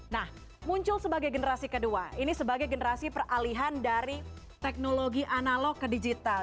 nah muncul sebagai generasi kedua ini sebagai generasi peralihan dari teknologi analog ke digital